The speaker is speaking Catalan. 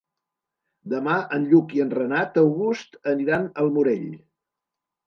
Demà en Lluc i en Renat August aniran al Morell.